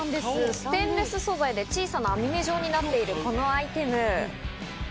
ステンレス素材で小さな網目状になっているこのアイテム。